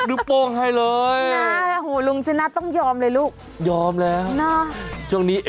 เออนะวัยละอันนี้